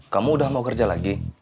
kamu udah mau kerja lagi